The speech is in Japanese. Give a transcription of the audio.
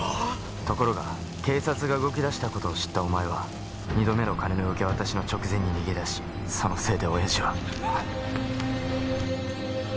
ところが警察が動き出した事を知ったお前は二度目の金の受け渡しの直前に逃げ出しそのせいで親父は。